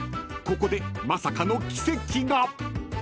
［ここでまさかの奇跡が！］